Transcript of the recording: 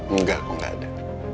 enggak kok gak ada